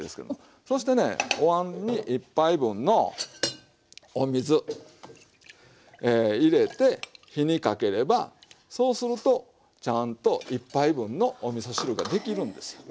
そしてねおわんに１杯分のお水え入れて火にかければそうするとちゃんと１杯分のおみそ汁ができるんですよ。